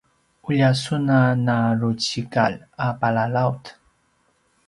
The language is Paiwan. ulja sun a narucikal a palalaut